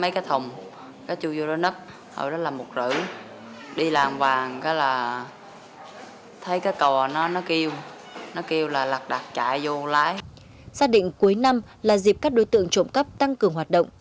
cảnh sát định cuối năm là dịp các đối tượng trộm cắp tăng cường hoạt động